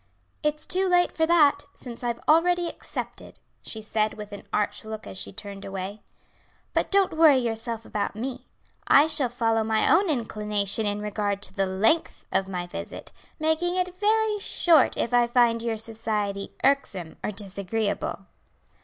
"It's too late for that, since I have already accepted," she said with an arch look as she turned away. "But don't worry yourself about me; I shall follow my own inclination in regard to the length of my visit, making it very short if I find your society irksome or disagreeable."